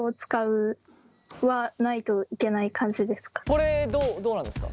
これどうなんですか？